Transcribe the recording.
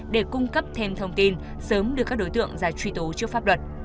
để cung cấp thêm thông tin sớm đưa các đối tượng ra truy tố trước pháp luật